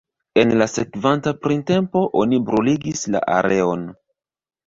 En la sekvanta printempo oni bruligis la areon.